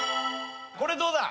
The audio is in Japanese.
これどうだ？